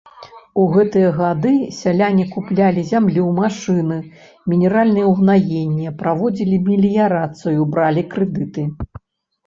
У гэтыя гады сяляне куплялі зямлю, машыны, мінеральныя ўгнаенні, праводзілі меліярацыю, бралі крэдыты.